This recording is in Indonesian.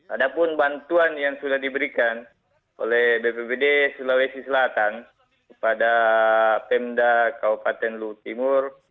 ada pun bantuan yang sudah diberikan oleh bppd sulawesi selatan kepada pemda kabupaten lutimur